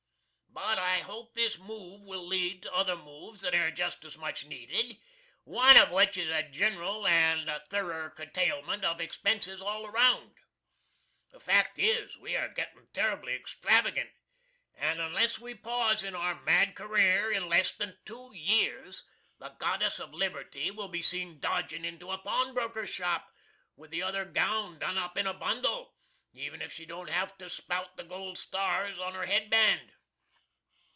But I hope this move will lead to other moves that air just as much needed, one of which is a genral and therrer curtainment of expenses all round. The fact is we air gettin' ter'bly extravgant, and onless we paws in our mad career in less than two years the Goddess of Liberty will be seen dodgin' into a Pawn Broker's shop with the other gown done up in a bundle, even if she don't have to Spout the gold stars in her head band.